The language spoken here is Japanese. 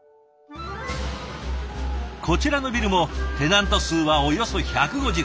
こちらのビルもテナント数はおよそ１５０。